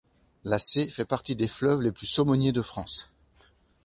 La Sée fait partie des fleuves les plus saumoniers de France.